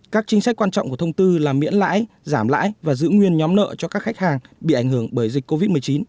các chính sách quan trọng của thông tư là miễn lãi giảm lãi và giữ nguyên nhóm nợ cho các khách hàng bị ảnh hưởng bởi dịch covid một mươi chín